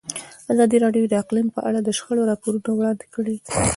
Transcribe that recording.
ازادي راډیو د اقلیم په اړه د شخړو راپورونه وړاندې کړي.